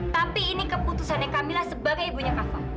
tapi ini keputusannya kamilah sebagai ibunya kafa